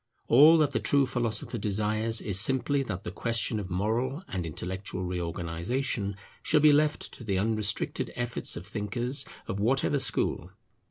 All that the true philosopher desires is simply that the question of moral and intellectual reorganization shall be left to the unrestricted efforts of thinkers of whatever school.